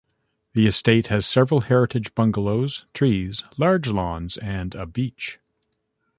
The estate has several heritage bungalows, trees, large lawns and a beach.